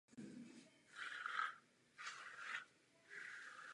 V případě dvou výzkumníků a alespoň ordinální proměnné lze využít běžnou korelaci.